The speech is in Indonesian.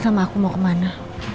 sama aku mau kemana